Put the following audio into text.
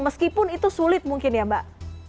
meskipun itu sulit mungkin ya mbak